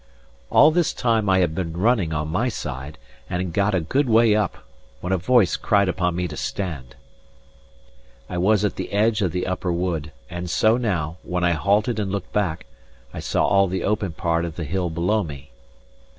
All this time I had been running on my side, and had got a good way up, when a voice cried upon me to stand. I was at the edge of the upper wood, and so now, when I halted and looked back, I saw all the open part of the hill below me.